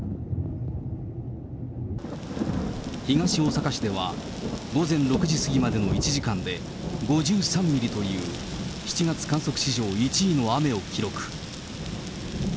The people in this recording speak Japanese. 東大阪市では、午前６時過ぎまでの１時間で５３ミリという、７月観測史上１位の雨を記録。